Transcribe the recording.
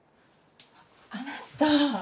あなた。